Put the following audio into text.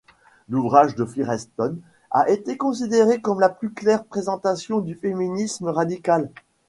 L'ouvrage de Firestone a été considéré comme la plus claire présentation du féminisme radical.